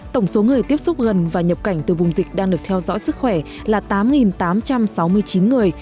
tổng số người tiếp xúc gần và nhập cảnh từ vùng dịch đang được theo dõi sức khỏe là tám tám trăm sáu mươi chín người